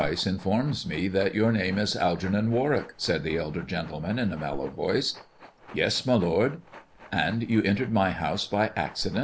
* "Dr. Pryce informs me that jour name ia Algernon Warwick," eaid the elder gentleman in a mellow voice. "Yea, my lord," " And you entered my house by accident."